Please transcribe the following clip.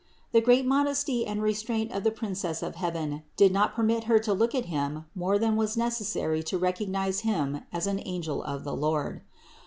The great modesty and restraint of the Princess of heaven did not permit Her to look at him more than was necessary to recognize him as an angel of the Lord.